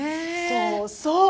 そうそう。